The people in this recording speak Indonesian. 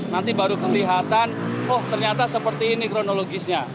nanti baru kelihatan oh ternyata seperti ini kronologisnya